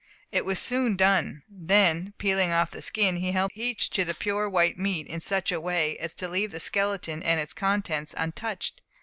It was soon done. Then peeling off the skin, he helped each to the pure white meat in such a way as to leave the skeleton and its contents untouched.